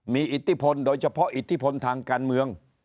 มีอิทธิพลโดยเฉพาะอิทธิพลทางการเมือง